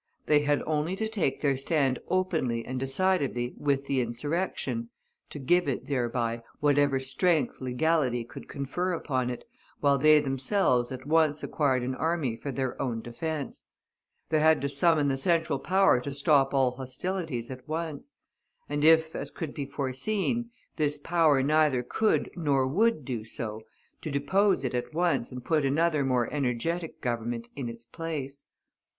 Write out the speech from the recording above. They had only to take their stand openly and decidedly with the insurrection, to give it, thereby, whatever strength legality could confer upon it, while they themselves at once acquired an army for their own defence. They had to summon the Central Power to stop all hostilities at once; and if, as could be foreseen, this power neither could nor would do so, to depose it at once and put another more energetic Government in its place.